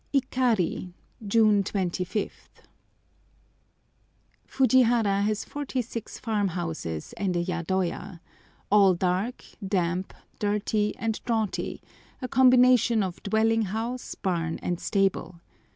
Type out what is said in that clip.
IKARI, June 25.—Fujihara has forty six farm houses and a yadoya—all dark, damp, dirty, and draughty, a combination of dwelling house, barn, and stable.